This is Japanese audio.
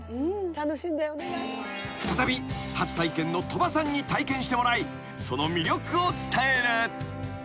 ［再び初体験の鳥羽さんに体験してもらいその魅力を伝える］